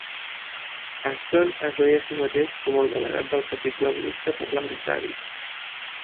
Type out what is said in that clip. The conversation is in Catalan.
Ashton es veia a si mateix com el delegat del Partit Laborista Parlamentari.